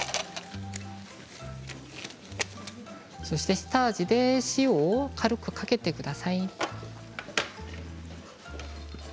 そして、下味で塩を軽くかけてください。